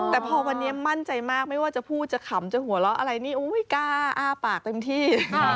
แต่พอวันนี้มั่นใจมากไม่ว่าจะพูดจะขำจะหัวเราะอะไรนี่กล้าอ้าปากเต็มที่